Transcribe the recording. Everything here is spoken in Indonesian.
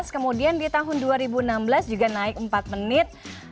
kemudian di tahun dua ribu enam belas juga naik empat menit